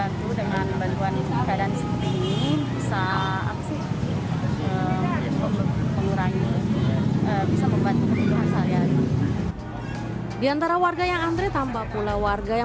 ini bisa mengurangi bisa membantu kebutuhan saya diantara warga yang antre tambah pula warga yang